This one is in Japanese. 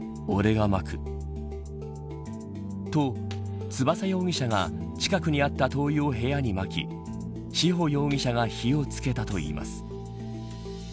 と、翼容疑者が近くにあった灯油を部屋にまき志保容疑者が火を付けたといいます。